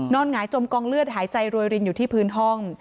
หงายจมกองเลือดหายใจรวยรินอยู่ที่พื้นห้อง